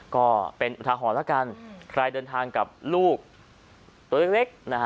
ก็เป็นปัญหาหรอกันใครเดินทางกับลูกตัวเล็ก